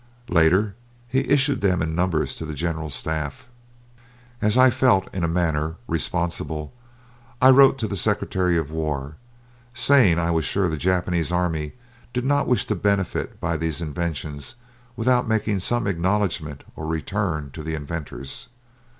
Later, he issued them in numbers to the General Staff. As I felt, in a manner, responsible, I wrote to the Secretary of War, saying I was sure the Japanese army did not wish to benefit by these inventions without making some acknowledgment or return to the inventors.